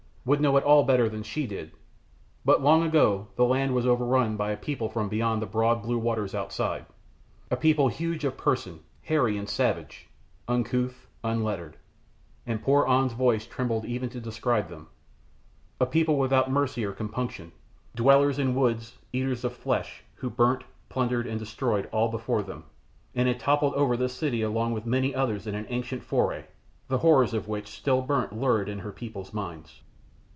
would know it all better than she did, but long ago the land was overrun by a people from beyond the broad, blue waters outside; a people huge of person, hairy and savage, uncouth, unlettered, and poor An's voice trembled even to describe them; a people without mercy or compunction, dwellers in woods, eaters of flesh, who burnt, plundered, and destroyed all before them, and had toppled over this city along with many others in an ancient foray, the horrors of which, still burnt lurid in her people's minds.